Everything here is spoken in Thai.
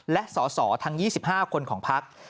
และส่อทาง๒๕คนของพักษมณ์